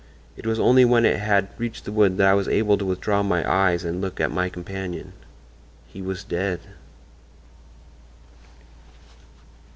It was only when it had reached the wood that I was able to withdraw my eyes and look at my companion. He was dead."